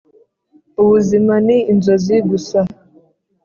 ubuzima ni inzozi gusa!